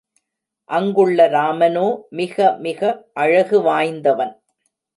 அங்குள்ள ராமனோ மிகமிக அழகு வாய்ந்தவன்.